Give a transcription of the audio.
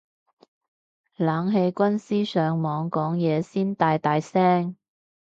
冷氣軍師上網講嘢先大大聲